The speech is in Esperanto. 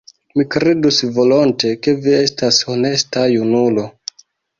Mi kredus volonte, ke vi estas honesta junulo.